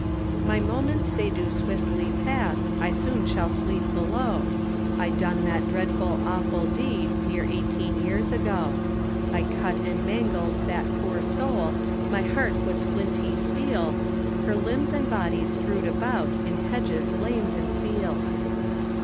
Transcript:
My moments they do swiftly pass, I soon shall sleep below, I done that dreadful awful deed, Near eighteen years ago; I cut and mangled that poor soul, My heart was flinty steel, Her limbs and body strewed about, In hedges, lanes, and fields.